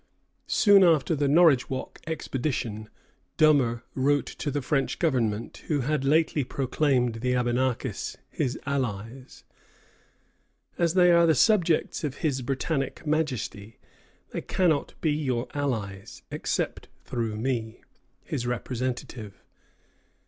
Soon after the Norridgewock expedition, Dummer wrote to the French governor, who had lately proclaimed the Abenakis his allies: "As they are subjects of his Britannic Majesty, they cannot be your allies, except through me, his representative.